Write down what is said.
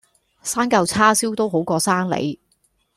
生舊叉燒都好過生你